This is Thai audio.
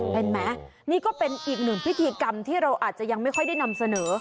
เห็นไหมนี่ก็เป็นอีกหนึ่งพิธีกรรมที่เราอาจจะยังไม่ค่อยได้นำเสนอ